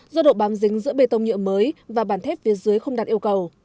do độ bám dính giữa bê tông nhựa mới và bản thép phía dưới không đạt yêu cầu